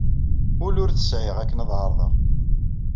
Ul ur t-sɛiɣ akken ad ɛerḍeɣ.